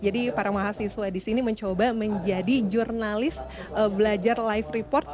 jadi para mahasiswa disini mencoba menjadi jurnalis belajar live report